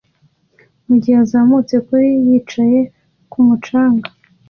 mugihe azamutse kuri yicaye kumu canga